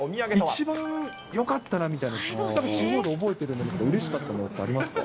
一番よかったのみたいなの、やっぱり、地方で覚えてるものとか、うれしかったものってありますか。